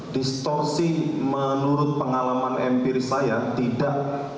distorsi menurut pengalaman empiris saya tidak